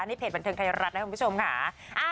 นี่เพจบันเทิงไทยรัฐนะคุณผู้ชมค่ะ